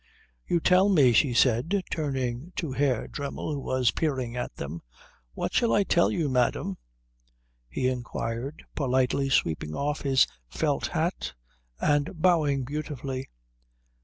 "You tell me," she said, turning on Herr Dremmel who was peering at them. "What shall I tell you, madam?" he inquired, politely sweeping off his felt hat and bowing beautifully.